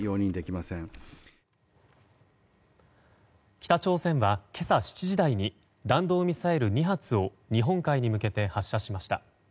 北朝鮮は今朝７時台に弾道ミサイル２発を日本海に向けて発射しました。